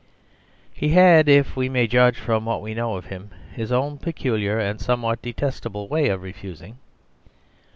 He had, if we may judge from what we know of him, his own peculiar and somewhat detestable way of refusing.